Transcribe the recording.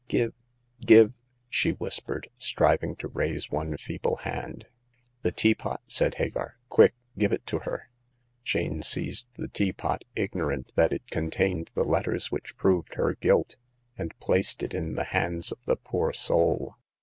" Give ! give " she whispered, striving to raise one feeble hand. The teapot I " said Hagar. Quick— give it to her !" Jane seized the teapot — ignorant that it con tained the letters which proved her guilt — and placed it in the hands of the poor soul.